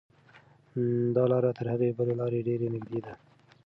دا لاره تر هغې بلې لارې ډېره نږدې ده.